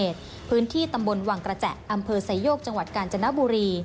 ตอบแล้วครับ